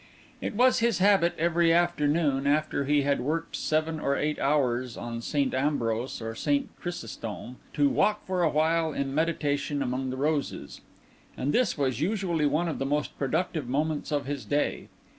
It was his habit every afternoon, after he had worked seven or eight hours on St. Ambrose or St. Chrysostom, to walk for a while in meditation among the roses. And this was usually one of the most productive moments of his day.